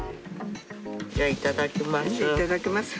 じゃあいただきます。